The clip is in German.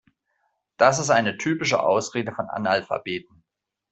Das ist eine typische Ausrede von Analphabeten.